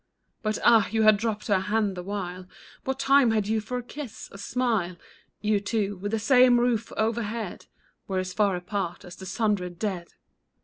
But ah ! you had dropped her hand the while ; What time had you for a kiss, a smile ? You two, with the same roof overhead, Were as far apart as the sundered dead